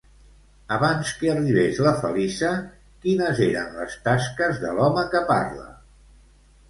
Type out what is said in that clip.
Abans que arribés la Feliça, quines eren les tasques de l'home que parla?